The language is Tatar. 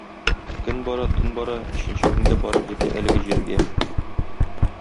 Көн бара, төн бара, өченче көнгә барып җитә әлеге җиргә.